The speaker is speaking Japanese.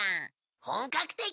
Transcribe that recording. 本格的？